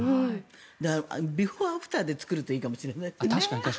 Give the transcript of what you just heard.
ビフォーアフターで作るといいかもしれない。